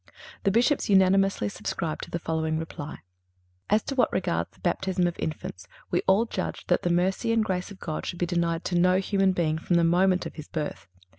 The Bishops unanimously subscribe to the following reply: "As to what regards the baptism of infants, ... we all judged that the mercy and grace of God should be denied to no human being from the moment of his birth.